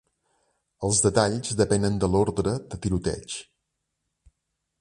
Els detalls depenen de l'ordre de tiroteig.